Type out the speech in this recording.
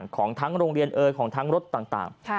ของทั้งโรงเรียนเอ่ยของทั้งรถต่าง